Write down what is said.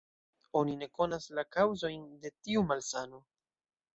Oni ne konas la kaŭzojn de tiu malsano.